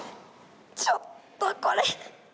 ちょっとこれ。